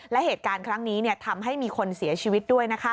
และเหตุการณ์ครั้งนี้ทำให้มีคนเสียชีวิตด้วย